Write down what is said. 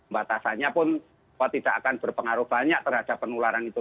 batasannya pun tidak akan berpengaruh banyak terhadap penularan itu